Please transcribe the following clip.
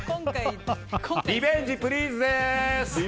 リベンジプリーズです！